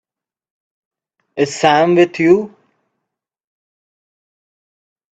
Is Sam with you?